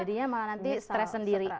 jadinya malah nanti stres sendiri